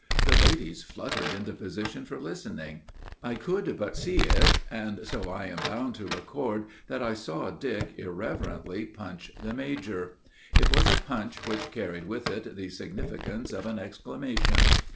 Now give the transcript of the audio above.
The ladies fluttered into position for listening. I could but see it, and so I am bound to record that I saw Dick irreverently punch the major. It was a punch which carried with it the significance of an exclamation.